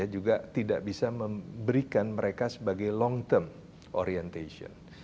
juga tidak bisa memberikan mereka sebagai long term orientation